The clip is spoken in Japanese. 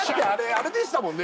あれでしたもんね